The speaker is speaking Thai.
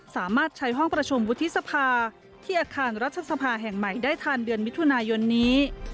สามารถใช้ห้องประชุมวุฒิสภาที่อาคารรัฐสภาแห่งใหม่ได้ทันเดือนมิถุนายนนี้